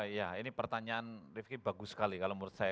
iya ini pertanyaan rifqi bagus sekali kalau menurut saya